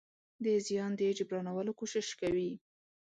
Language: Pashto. د زيان د جبرانولو کوشش کوي.